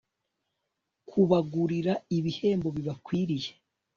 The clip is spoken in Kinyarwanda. kubagurira abihembo bibakwiriye